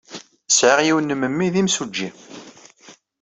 Sɛiɣ yiwen n memmi d imsujji.